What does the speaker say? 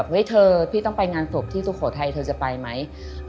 เฮ้ยเธอพี่ต้องไปงานศพที่สุโขทัยเธอจะไปไหม